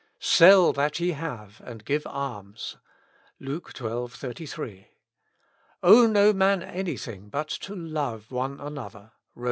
'Sell that ye have and give alms' (L,uke xii. 33^. ' Owe no mau any thing, but to love one another ' (Rom.